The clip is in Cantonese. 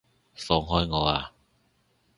放開我啊！